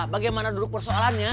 bagaimana dulu persoalannya